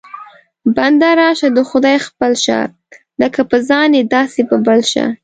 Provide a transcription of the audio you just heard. بنده راشه د خدای خپل شه، لکه په ځان یې داسې په بل شه